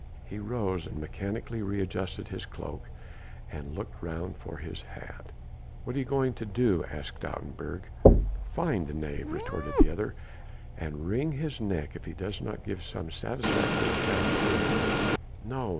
He rose and mechanically re adjusted his cloak and looked round for his hat. "What are you going to do?" asked Stoutenburg. "Find the knave," retorted the other, "and wring his neck if he does not give some satisfactory account of Gilda." "No!